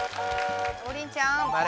王林ちゃん。